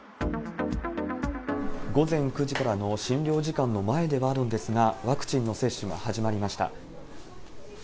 午前９時からの診療時間の前ではあるんですが、ワクチンの接種が始まりました。